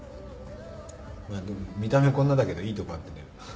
まあでも見た目こんなだけどいいとこあってだよ。